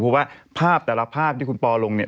เพราะว่าภาพแต่ละภาพที่คุณปอลงเนี่ย